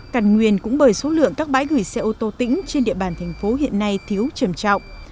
căn nguyên cũng bởi số lượng các bãi gửi xe ô tô tỉnh trên địa bàn thành phố hiện nay thiếu trầm trọng